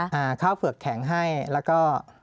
อ่าเข้าเผือกแข็งให้แล้วก็